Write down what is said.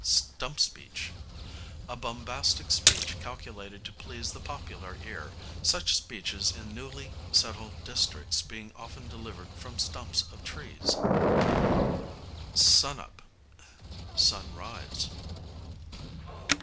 Stump speech, a bombastic speech calculated to please the popular ear, such speeches in newly settled districts being often delivered from stumps of trees. Sun up, sunrise.